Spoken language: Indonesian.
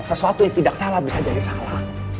sesuatu yang tidak salah bisa jadi salah